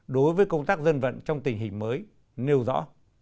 đối với công tác dân vận trong tình hình mới nêu rõ